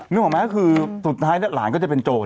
หรือไม่คือสุดท้ายลาเราก็จะเป็นโจร